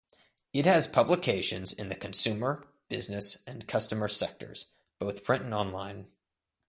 It has publications in the consumer, business and customer sectors, both print and online.